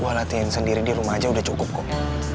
buat latihan sendiri di rumah aja udah cukup kok